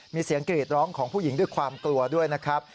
มีเสียงกรีดร้องของผู้หญิงด้วยความกลัวด้วยนะครับ